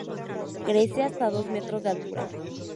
Crece hasta dos metros de altura.